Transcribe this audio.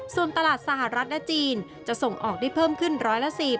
ส่วนตลาดสหรัฐและจีนจะส่งออกได้เพิ่มขึ้นร้อยละ๔๐